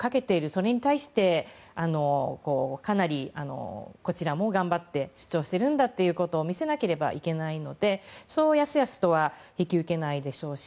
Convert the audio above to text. それに対して、かなりこちらも頑張って主張していると見せなければいけないのでやすやすとは引き受けないでしょうし